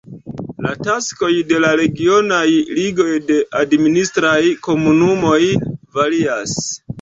La taskoj de regionaj ligoj de administraj komunumoj varias.